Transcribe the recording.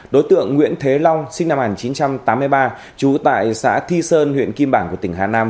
đối tượng nguyễn thế long sinh năm một nghìn chín trăm tám mươi ba trú tại xã thi sơn huyện kim bảng của tỉnh hà nam